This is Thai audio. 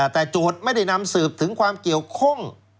แต่โจทย์ไม่ได้นำสืบถึงความเกี่ยวข้อง